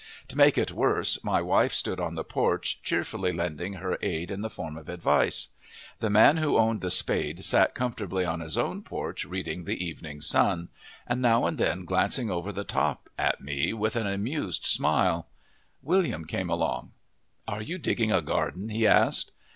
To make it worse, my wife stood on the porch cheerfully lending her aid in the form of advice. The man who owned the spade sat comfortably on his own porch reading THE EVENING SUN, and now and then glancing over the top at me with an amused smile. William came along. "Are you digging a garden?" he asked.